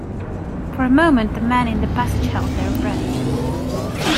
For a moment the men in the passage held their breath.